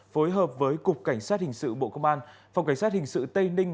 phối hợp với cục cảnh sát hình sự bộ công an phòng cảnh sát hình sự tây ninh